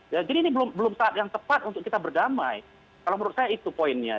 jadi ini belum saat yang tepat untuk kita berdamai kalau menurut saya itu poinnya